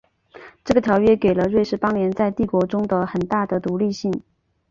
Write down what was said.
这个条约给了瑞士邦联在帝国中的很大的独立性。